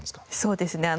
そうですね。